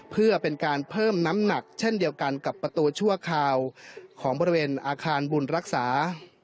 เพื่อเป็นการเพิ่มน้ำหนักเช่นเดียวกันกับประตูชั่วคราวของบริเวณอาคารบุญรักษา